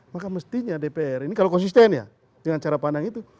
maka mestinya dpr ini kalau konsisten ya dengan cara pandang itu